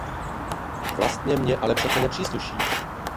Vlastně mně ale předce nepřísluší!